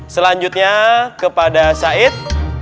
selanjutnya kepada said